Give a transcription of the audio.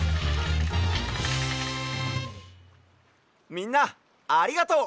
みんなありがとう！